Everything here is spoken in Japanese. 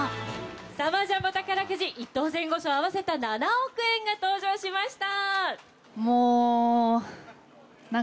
サマージャンボ宝くじ１等・前後賞合わせた７億円が登場しました。